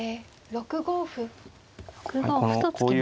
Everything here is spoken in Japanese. ６五歩と突きました。